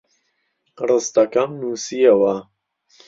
ڕستەکەم نووسییەوە.